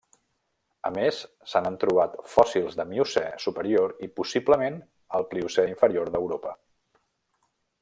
A més, se n'han trobat fòssils del Miocè superior i possiblement el Pliocè inferior d'Europa.